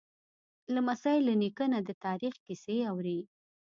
لمسی له نیکه نه د تاریخ کیسې اوري.